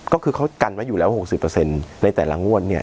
ก็คือเขากันไว้อยู่แล้ว๖๐ในแต่ละงวดเนี่ย